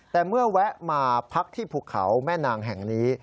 แต่เมื่อแวะมาพักที่ภูเขาแม่นางแห่งนี้